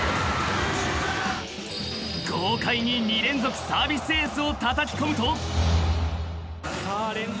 ［豪快に２連続サービスエースをたたき込むと］さあ連続